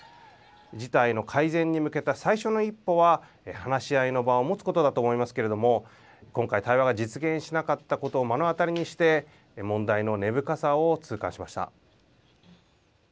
事態の改善に向けた最初の一歩は話し合いの場を持つことだと思いますけれども今回、対話が実現しなかったことを目の当たりにして問題の根深さを痛感しました。